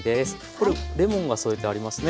これレモンが添えてありますね。